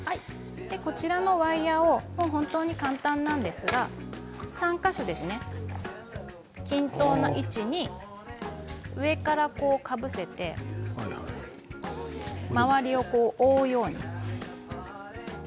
こちらのワイヤーを、簡単なんですが３か所均等な位置に上からかぶせて周りを覆うようにして。